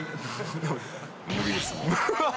無理です、もう。